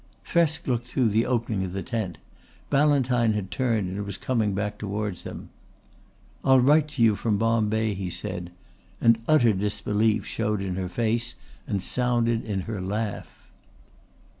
Thresk looked through the opening of the tent. Ballantyne had turned and was coming back towards them. "I'll write to you from Bombay," he said, and utter disbelief showed in her face and sounded in her laugh.